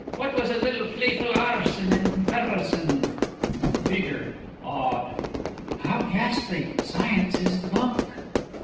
What was a little playful arson in comparison! PETER: (Awed) How ghastly! Science is the bunk.